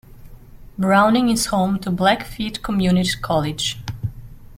Browning is home to Blackfeet Community College.